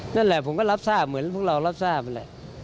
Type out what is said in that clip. นั่นแหละผมก็รับทราบเหมือนพวกเรารับทราบนั่นแหละ